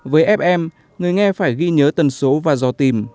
với fm người nghe phải ghi nhớ tần số và dò tìm